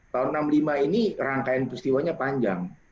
tahun seribu sembilan ratus enam puluh lima ini rangkaian peristiwanya panjang